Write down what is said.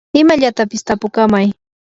imallatapis tapukamay.